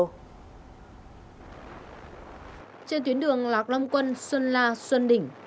trên tuyến đường lạc long quân xuân la xuân đỉnh